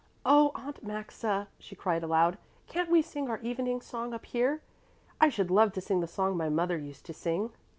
"Oh, Aunt Maxa," he cried aloud, "Can't we sing our evening song up here? I should love to sing the song my mother used to sing."